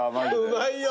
うまいよ。